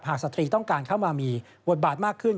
สตรีต้องการเข้ามามีบทบาทมากขึ้น